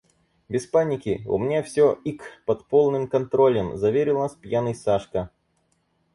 «Без паники! У меня всё, ик, под полным контролем!» — заверил нас пьяный Сашка.